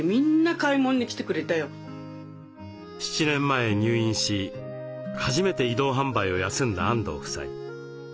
７年前入院し初めて移動販売を休んだ安藤夫妻。